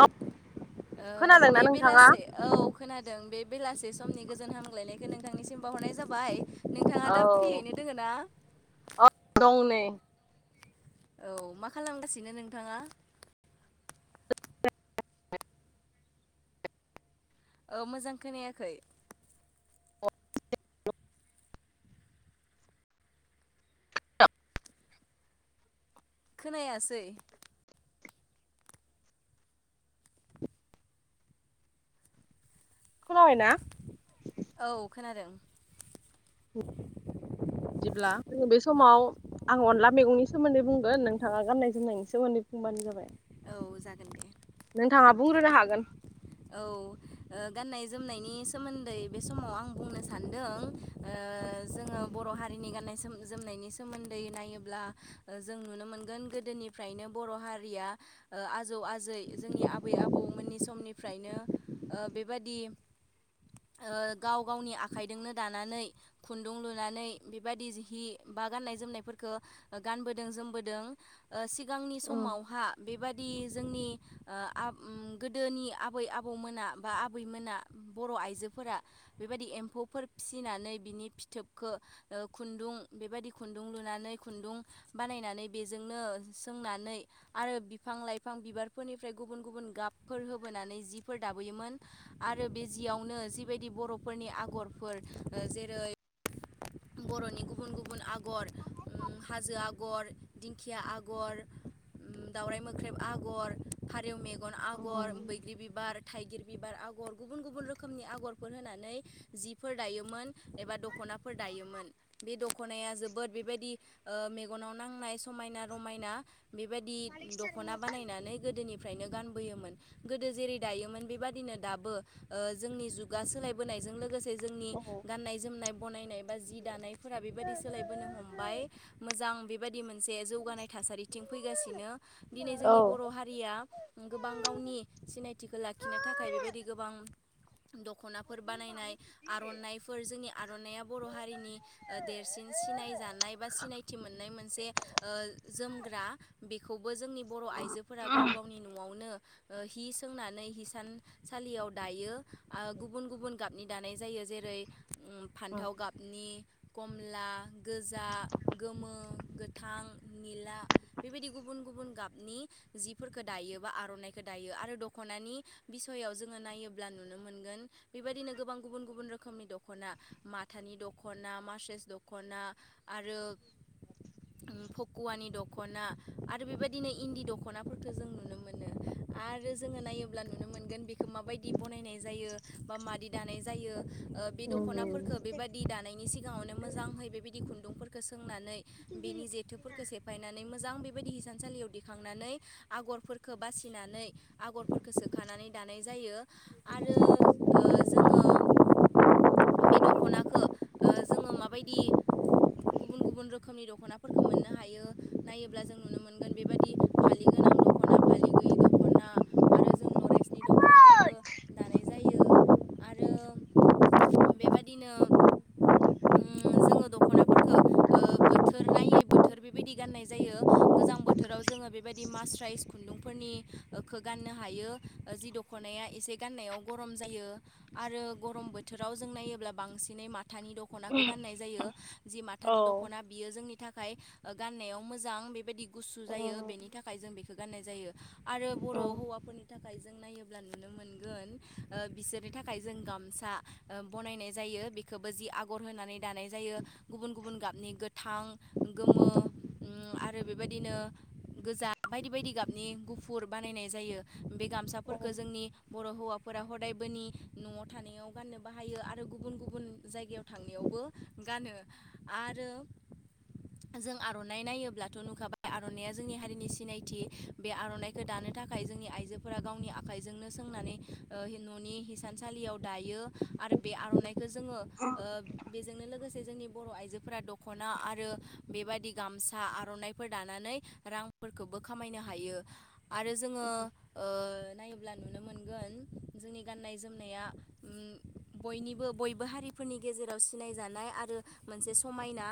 औ ओ खोनादोंना बे नोंथाङा बेलासे औ खोनादों बे बेलासे समनि गोजोन हामग्लायनायखौ नों नोंथांनिसिम बावहरनाय जाबाय नोंथाङा औ दा फ्रियैनो दोङो ना औ दं नै औ मा खालामगासिनो नोंथाङा औ मोजां खोनायाखै खोनायासै खोनाबायना औ खोनादों बिदिब्ला जोङो बे समाव आं अनला मैगंनि सोमोन्दै बुंगोन नोंथाङा गाननाय जोमनायनि सोमोन्दै बुंबानो जाबाय औ जागोन दे नोंथाङा बुंग्रोनो हागोन। औ ओ गाननाय जोमनायनि सोमोन्दै बे समाव आं बुंनो सान्दों ओ जोङो बर' हारिनि गाननाय जोम जोमनायनि सोमोन्दै नायोब्ला जों नुनो मोनगोन गोदोनिफ्रायनो बर' हारिया ओ आजौ आजै जोंनि आबै आबौमोननि समनिफ्रायनो ओ बेबादि ओ गाव गावनि आखाइदोंनो दानानै खुन्दुं लुनानै बेबायदि जिहि बा गाननाय जोमनायफोरखौ ओ गानबोदों जोमबोदों ओ सिगांनि औ समावहा बेबादि जोंनि ओ आब उम गोदोनि आबै आबौमोना बा आबैमोना बर' आइजोफोरा बेबायदि एम्फौफोर फिनानै बिनि फिथोबखौ ओ खुन्दुं बेबायदि खुन्दुं लुनानै खुन्दुं बानायनानै बेजोंनो सोंनानै आरो बिफां लाइफां बिबारफोरनिफ्राय गुबुन गुबुन गाबफोर होबोनानै जिफोर दाबोयोमोन आर आरो बे जियावनो जिबायदि बर'फोरनि आगरफोर ओ जेरै बर'नि गुबुन गुबुन आग गर हाजो आगर दिंखिया आगर उम दाउराइ मोख्रेब आगर फारिव मेगन आगर बैग्रि बिबार थाइगिर बिबार आग'र गुबुन गुबुन रोखोमनि आग'रफोर होनानै जिफोर दायोमोन एबा दखन नाफोर दायोमोन बे दख खनाया जोबोद बेबायदि ओ मेगनाव नांनाय समायना रमायना बेबादि दख'ना बानायनानै गोदोनिफ्रायनो गानबोयोमोन गोदो जेरै दायोमोन बेबादिनो दाबो ओ जोंनि जुगा सोलायबोनायजों लोगोसे जोंनि गान्नाय जोमनाय बनायनाय बा जि दानायफोरा बेबायदि सोलायबोनो हमबाय मोजां आं बेबायदि मोनसे जौगानाय थासारि बिथिं फैगासिनो दिनै औ जोंनि बर' हारिया गोबां गावनि सिनायथिखौ लाखिनो थाख थाखाय बेबायदि गोबां दख'नाफोर बानायनाय आर'नाइफोर जोंनि आर'नाइया बर' हारिनि ओ देरसिन सिन नाय जानाय बा सिनायथि मोननाय मोनसे ओ जोम ग्रा बेखौबो जोंनि बर' आइजोफोरा गाव गावनि न'आवनो ओ हि सोंनानै हिसान सालियाव दायो ओ गुबुन गुबुन गाबनि दानाय जायो। जेरै ओ फान्थाव गाबनि खमला गोजा गोमो गोथां निला बेबायदि गुबुन गुबुन गाबनि जिफोरखौ दायो बा आर'नाइखौ दायो आरो दख'नानि बि सयाव जोङो नायोब्ला नुनो मोनगोन बेबायदिनो गोबां गुबुन गुबुन रोखोमनि दख'ना माथानि दख'ना मासेस दख'ना आरो [inaudible] भकवाननि दख ख'ना आरो बेबायदिनो इन्दि दख'नाफोरखौ जों नुनो मोनो आरो जोङो नायोब्ला नुनो मोन मोनगोन बेखौ माबायदि बनायनाय जायो बा मादि दानाय जायो। ओ बे उम दख'नाफोरखौ बेबादि दानायनि सिगाङावनो मोजांहै बेबायदि खुन्दुंफोरफोरखौ सोंङो नानै बेनि जेथोफोरखौ मोां बेबायदि हिसानसालियाव दिखांनानै आगरफोरखौ बासिनानै आगरफोरखौ सोखानानै नानै दानाय जायो आरो जोङो बे दख'नाखौ जोङो माबायदि गुबुन गुबुन रोखोमनि दख'नाफोरखौ मोननो हायो। नायोब्ला जों नुनो मोनगोन बेबायदि फालि गोनां दख'ना फालि गैयि दख'ना आरो जों लरेसनि दख'नाफोरबो दानाय जायो आरो बेबादिनो जोङो दख'नाफोरखौ बोथोर नायै बोथोर‌ बेबायदि गाननाय जायो गोजां बोथोराव जोङो बेबायदि म खुन्दुंफोरनि गाननो हायो। जि दख'नाया इसे गाननायाव गरम जायो आरो गरम बोथोराव जों नायोब्ला बांसिनै माथानि दख'नाखौ गाननाय जायो जि औ माथानि दख'ना बियो जोंनि थाखाय गाननायाव मोजां बेबायदि गुसु जायो उम बेनि थाखाय जों बेखौ गाननाय जायो आरो बर' हौवा फोरनि थाखाय जों नायोब्ला नुनो मोनगोन बिसोरनि थाखाय जों गामसा बनायनाय। जायो बेखौबो जि आगर होनानै दानाय जायो गुबुन गुबुन गाबनि गोथां गोमो आरो बेबायदिनो गोजा बायदि बायदि गाबनि गुफुर बानायनाय जायो बे गामसाफोरफोरखौ जोंनि बर' हौवाफोर फोरा हदायबोनि न'आव थानायाव गाननो बाहायो आरो गुबुन गुबुन जायगायाव थांनायावबो गानो आरो जों आर'नाइ नायोब्लाथ' नुखाबाय आर'नाइया जोंनि हारिनि सिनायथि बे आर'नाइखौ दानो थाखाय जोंनि आइजोफोरा गावनि आखाइजोंनो सोंनानै न'नि हिसानसालियाव दायो। आरो बे आर'नाइखौ जोङो बेजोंनो लोगोसे जोंनि बर' आइजोफोरा दख'ना आरो बेबायाददि गामसा आर'नाइफोर दानानै रांफोरखौबो खामायनो हायो। आरो जोङो ओ नायोब्ला अब्ला नुनो मोनगोन जोंनि गाननाय जोमनाया उम। बयनिबो बयबो हारिफोरनि गेजेराव सिनायजानाय आरो मोनसे समायना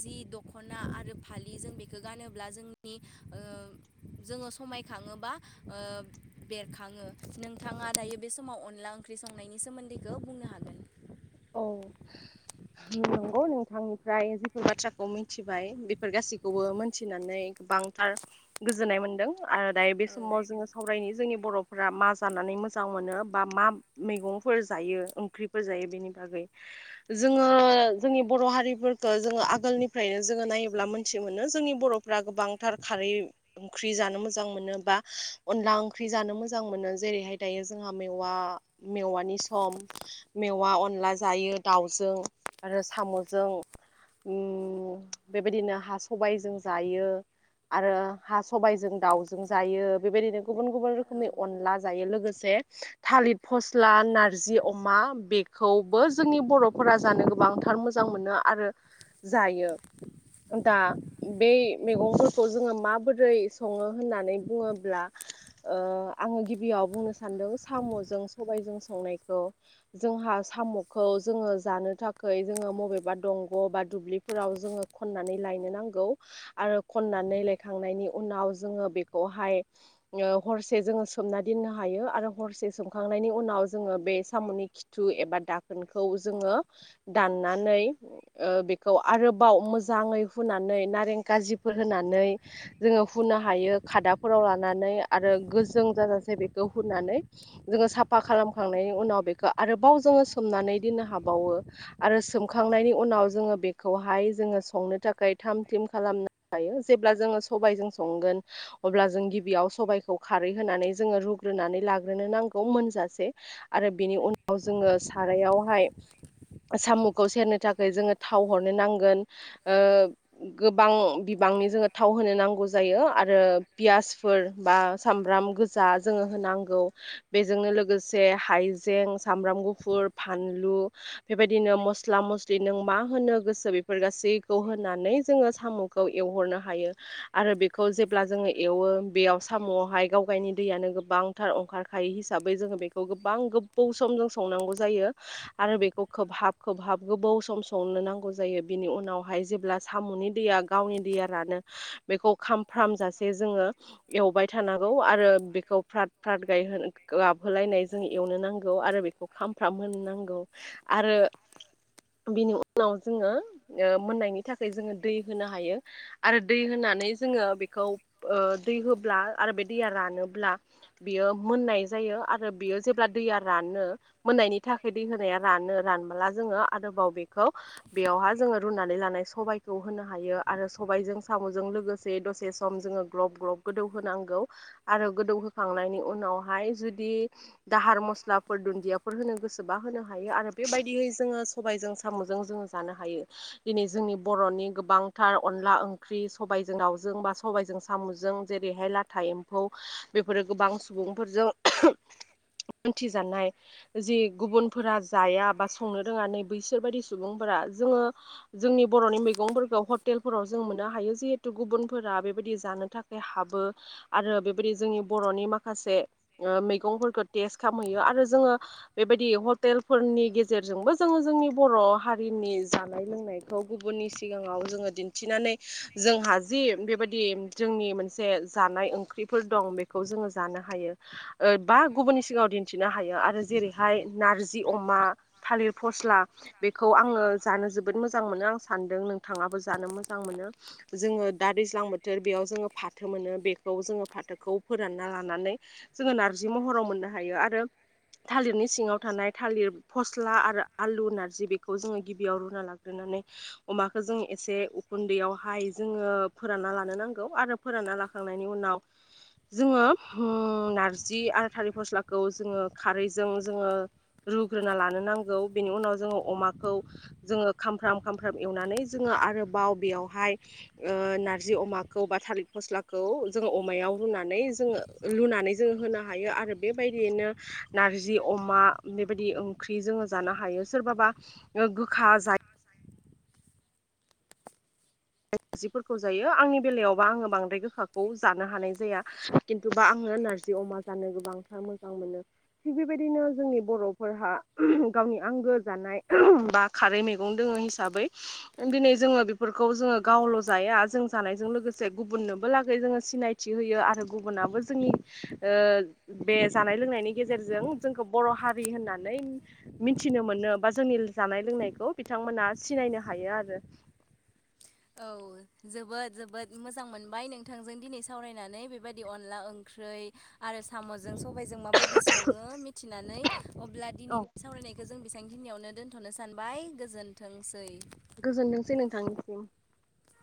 जि खना आरो फालि जों बेखौ गानोब्ला जोंनि ओ जोङो समायखाङोबा बेरखाङो नोंथाङा दायो बे समाव अने अनला ओंख्रि संनायनि सोमोन्दैखौ बुंनो हागोन। औ नंगौ नोंथांनिफ्राय जफोर बाथ्राखौ मिथिबाय बेफोर गासैखौबो मोनथिनानै गोबांथार गोजोननाय मोनदों आरो दायो बे औ समाव जोङो सावरायनि जोंनि बर' फोर मा जानानै मोजां मोनो बा मा मैगंफोर जायो ओंख्रिफोर जायो बेनि जोङो जोंनि बर' हारिफोरखौ जोङो आगोलनिफ्रायनो जोङो नायोब्ला मोन जोंनि बर'फोरा गोबांथार खारै ओंख्रि जानो मोजां मोन बा अनला [unintelligible] अला जायो दाावजों आरो साम'जों उ बेबायदिनो हा सबायजों जायो। आरो हा सबाइजों दाउजों जायो बेबायदिनो गुबुन गुबुन रोखोमनि औ अनला जायो लोगोसे थालिर फस्ला, नारजि अमा बे खौबो जोंनि बर'फोरा जानो गोबांथार मोजां मोनो आरो जायो। दा बै मैगंफोरखौ जोङो माबोरै सङो होननानै बुङोब्ला ओ आङो गिबियाव बुंनो सान्दों साम'जों सबायजों संनायखौ जोंहा साम'खौ जोङो जानो थाखाय जोङो बबेबा दंग' बा दुब्लिफोराव जोङो खननानै लायनो नांगौ। आरो खननानै लायखांनायनि उनाव जोङो बेखौहाय ओ हरसे जोङो सोमना दोननो हायो आरो हरसे सोमखांनायनि उनाव जोङो बे साम'नि खिथु एबा दाखोनखौ जोङो दाननानै ओ बेखौ आरोबाव मोजाङै हु नानै नारें खारजिफोर होनानै जोङो हुनो हायो खादाफोराव लानानै आरो गोजों जाजासे बेखौ हुनानै, जोङो साफा खालामखांनायनि उनाव बेखौ आरोबाव जोङो सोमनानै दोननो हाबावो। आरो सोमखांनायनि उनाव जोङो बेखौहाय जोङो संनो थाखाय थाम थिम खालामनो हायो। जेब्ला जोङो सबाइजों संगोन अब्ला जों गिबियाव सबाइखौ खा रै होनानै जोङो रुग्रोनानै लाग्रोनो नांगौ मोनजासे। आरो बेनि उनाव जोङो सारायावहाय साम'खौ सेरनो थाखाय जोङो थाव हरनो नांगोन। ओ गोबां बिबां नि जोङो थाव होनो नांगौ जायो आरो पियासफोर बा सामब्राम गोजा जोङो होनो नांगौ। बेजोंनो लोगोसे हाइजें, सामब्राम गुपुर, फान लु बेबायदिनो मस्ला-मस्लि नों मा होनो गोसो बेफोर गासैखौ होनानै जोङो साम'खौ एवहरनो हायो। आरो बेखौ जेब्ला जोङो एवो बेयाव साम'आवहाय गाव गायनि दैयानो गोबांथार ओंखारखायो हिसाबै जोङो बेखौ गोबां गोबाव सम जों संनांगौ जायो। आरो बेखौ खोबहाब खोबहाब गोबाव सम संनो नांगौ जायो, बिनि उनावहाय जेब्ला साम'नि दैया गावनि दैया रानो बेखौ खामफ्रामजासे जोङो एव बायय थानांगौ आरो बेखौ फ्राथ फ्राथ गाइहो गाबहोलायनाय जों एवनो नांगौ आरो खामफ्राम होनो नांगौ आरो बेनि उनाव जोङो मोननायनि थाखाय जोङो दै होनो हायो आरो दै होना नै जोङो बेखौ ओ दै होब्ला आरो बे दैया रानोब्ला बियो मोननाय जायो आरो बेयो जेब्ला दैया रानो मोननायनि थाखाय दै होनाया रानो रानबोला जोङो आरोबाव बेखौ बेयावहा जोङो रुनानै ला नाय सबायखौ होनो हायो। आरो सबायजों साम'जों लोगोसे दसे सम जोङो ग्लब ग्लब गोदौ हो नांगौ। आरो गोदौहोखांनायनि उनावहाय जुदि दाहार मसलाफोर दुन दियाफोर होनो गोसोबा होनो हायो। आरो बेबायदियै जोङो सबायजों साम'जों जोङो जानो हायो। दिनै जोंनि बर'नि गोबांथार अनला ओंख्रि, सबायजों दाउजों, बा सबबायजों साम'जों जेरैहाय लाथा एम्फौ बेफोरो गोबां सुबुंफोरजों मिथिजानाय जि गुबुनफोरा जाया बा संनो रोङा नै बैसोर बायदि सुबुंफोरा जोङो जोंनि बर'नि मैगंफोरखौ हटेलफोराव जों मोननो हायो। जिहेतु गुबुनफोरा बेबायदि जानो थाखाय हाबो आरो बेबायदि जोंनि बर'नि माखासे मैगंफोरखौ टेस्ट खालामहैयो आरो जोङो बेबायदि हटेलफोरनि गेजेरजोंबो जोङो जोंनि बर' हारिनि जानाय-लोंनाय खौ गुबुननि सिगाङाव जोङो दिन्थिनानै जोंहा जि बेबायदि जोंनि मोनसे जानाय ओंख्रिफोर दं बेखौ जोङो जानो हायो बा गुबुननि सिगाङाव दिन्थिनो हायो। आरो जेरैहाय नारजि अमा, थालिर फस्ला बेखौ आङो जानो जोबोद मोजां मो मोजां मोनो आं सानदों नोंथाङाबो जानो मोजां मोनो। जोङो दा दैज्लां बोथोर बेयाव जोङो फाथो मोनो बेखौ जोङो फाथोखौ फोरानना लानानै जोङो नारजि महराव मोननो हायो आरो थालिरनि सिङाव थानाय थालिर फस्ला आरो आलु नारजि बेखौ जोङो गिबियाव रुना लाग्रो नानै अमाखौ जों एसे उखुन्दैयावहाय जोङो फोरानना लानो नांगौ आरो फोरान ना लाखांनायनि उनाव जोङो हो नारजि आरो थालिर फस्लाखौ जोङो खारैजों जोङो रुग्रोना लानो नांगौ, बेनि उनाव जोङो अमाखौ जोङो खाम फ्राम-खामफ्राम एवनानै जोङो आरोबाव बेयावहाय ओ नारजि अमाखौ बा थालिर फस्ला खौ जोङो अमायाव रुनानै जोङो लुनानै जोङो होनो हायो आरो बेबायदियैनो नारजि अमा बेबायदि ओंख्रि जोङो जानो हायो सोरबाबा गोखा जायो [inaudible] नारजिफोरखौ जायो आंनि बेलायावबा आङो बांद्राय गोखाखौ जानो हानाय जाया किनतुबा आङो नारजि अमा जानो गोबांथार मोजां मोनो थिग बेबायदिनो जोंनि बर'फोरहा गावनि आंगो जानाय बा खारै मैगं दङ हिसाबै दिनै जोङो बेफोरखौ जोङो गावल' जाया जों जानायजों लोगोसे गुबुननोबो लागै जोङो सिनायथि होयो आरो गुबुनाबो जोंनि बे जानाय लोंनायनि गेजेरजों जोंखौ बर' हारि हारि होननानै मिथिनो मोनो बा जोंनि जानाय लोंनायखौ बिथांमोना सिनायनो हायो आरो [inaudible] औ जोबोद जोबोद मोजां मोनबाय नोंथांजों दिनै सावरायनानै बेबायदि अनला ओंख्रि ओंख्रै आरो साम सामजों सबायजों माबायदि सङो मिथिनानै अब्ला औ दिनैनि सावरायनायखौ बेसिनियावनो बेसांखिनियावनो दोनथ'नो सानबाय गोजोनथोंसै [unintelligible]